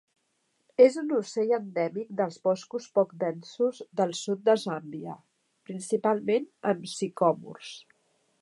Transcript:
És un ocell endèmic dels boscos poc densos del sud de Zàmbia, principalment amb sicòmors.